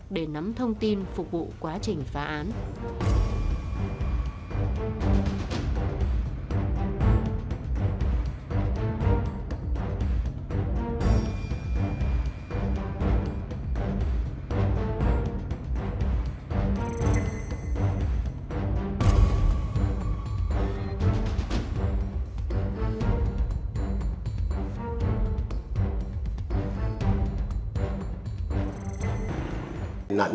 để nắm thông tin phục vụ quá trình phá án